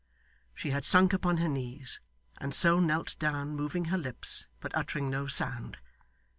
She had sunk upon her knees, and so knelt down, moving her lips, but uttering no sound.